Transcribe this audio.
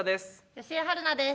吉江晴菜です。